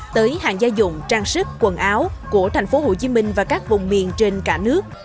tới hàng gia dụng trang sức quần áo của tp hcm và các vùng miền trên cả nước